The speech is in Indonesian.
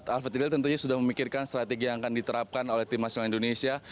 alfred ried tentunya sudah memikirkan strategi yang akan diterapkan oleh tim nasional indonesia